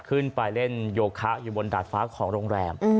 ขึ้นไปเล่นโยคะอยู่บนดาดฟ้าของโรงแรม